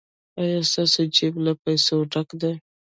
ایا ستاسو جیب له پیسو ډک دی؟